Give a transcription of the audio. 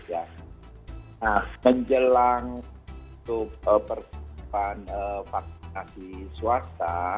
nah menjelang untuk persiapan vaksinasi swasta